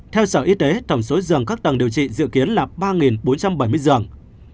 theo sở y tế thổng số dường các tầng điều trị dự kiến là ba bốn trăm bảy mươi dường